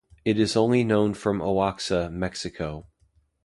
It is only known from Oaxaca, Mexico.